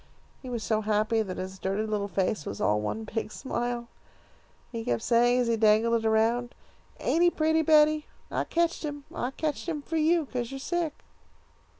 He was so happy that his dirty little face was all one big smile. He kept saying, as he dangled it around, 'Ain't he pretty, Betty? I ketched him. I ketched him for you, 'cause you're sick.'